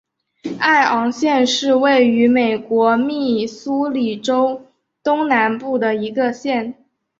艾昂县是位于美国密苏里州东南部的一个县。